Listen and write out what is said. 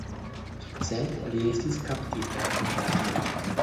Sed li estis kaptita en la tn.